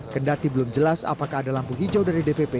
kendati belum jelas apakah ada lampu hijau dari dpp